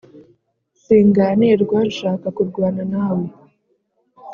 Singanirwa nshaka kurwana nawe